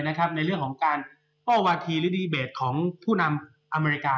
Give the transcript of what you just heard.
ในเรื่องของการเป้าอวาธิและดีแบตของผู้นำอเมริกา